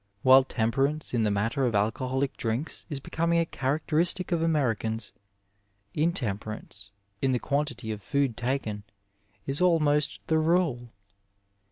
While temperance in the matter of alcoholic drinks is becoming a characteristic of Americans, intemperance in the quantity of food taken is ahnost the rule.